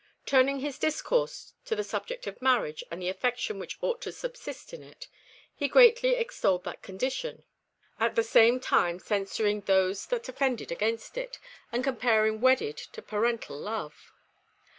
Turning his discourse to the subject of marriage and the affection which ought to subsist in it, he greatly extolled that condition, at the same time censuring those that offended against it, and comparing wedded to parental love.